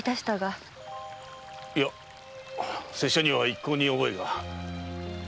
いや拙者には一向に覚えが。